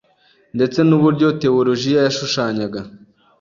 ndetse nuburyo tewolojiya yashushanyaga